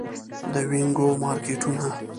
د وینګو مارکیټونه